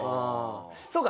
そうか。